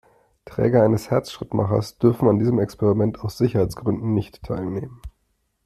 Träger eines Herzschrittmachers dürfen an diesem Experiment aus Sicherheitsgründen nicht teilnehmen.